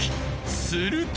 すると。